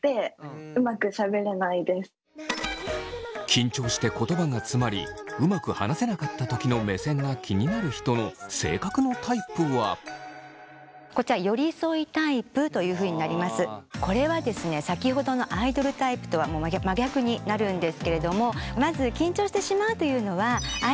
緊張して言葉がつまりうまく話せなかったときの目線が気になる人のこれはですね先ほどのアイドルタイプとは真逆になるんですけれども。